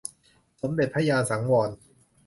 สมเด็จพระญาณสังวร